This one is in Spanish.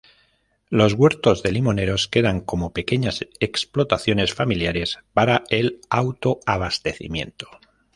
Los huertos de limoneros quedan como pequeñas explotaciones familiares para el autoabastecimiento.